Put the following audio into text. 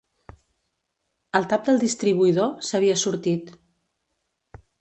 El tap del distribuïdor s'havia sortit.